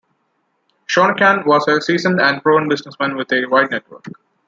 Shonekan was a seasoned and proven businessman with a wide network.